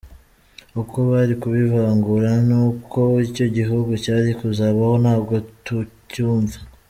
Uko bari kubivangura n’uko icyo gihugu cyari kuzabaho ntabwo tucyumva.